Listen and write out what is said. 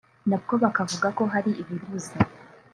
na bwo bakavuga ko hari ibibuze